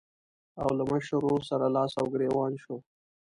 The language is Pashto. او له مشر ورور سره لاس او ګرېوان شو.